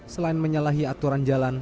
selain menyalahi aturan jalan